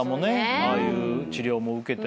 ああいう治療も受けて。